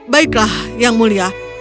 baiklah yang mulia